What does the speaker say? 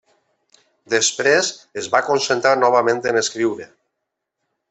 Després es va concentrar novament en escriure.